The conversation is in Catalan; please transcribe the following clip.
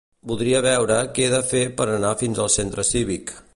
Voldria veure què he de fer per anar fins al centre cívic.